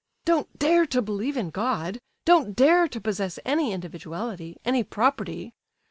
'Don't dare to believe in God, don't dare to possess any individuality, any property!